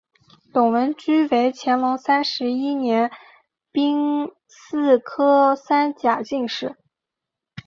董文驹为乾隆三十一年丙戌科三甲进士。